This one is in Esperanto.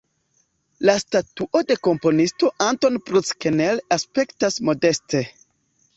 La statuo de komponisto Anton Bruckner aspektas modeste.